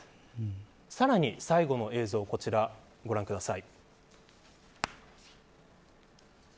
さらに最後の映像こちら、ご覧ください。